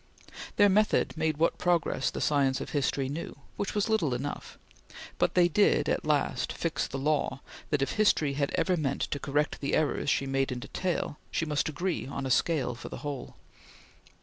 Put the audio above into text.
Their method made what progress the science of history knew, which was little enough, but they did at last fix the law that, if history ever meant to correct the errors she made in detail, she must agree on a scale for the whole.